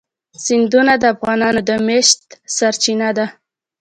سیندونه د افغانانو د معیشت سرچینه ده.